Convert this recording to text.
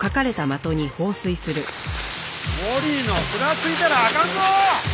森野ふらついたらあかんぞ！